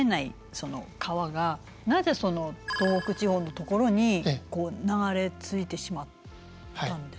その川がなぜ東北地方の所に流れ着いてしまったんですか？